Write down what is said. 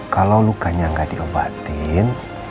kalau lukanya gak diobatin